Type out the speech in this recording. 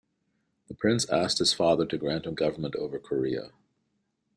The prince asked his father to grant him government over Korea.